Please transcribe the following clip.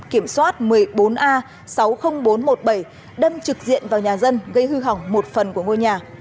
kiểm soát một mươi bốn a sáu mươi nghìn bốn trăm một mươi bảy đâm trực diện vào nhà dân gây hư hỏng một phần của ngôi nhà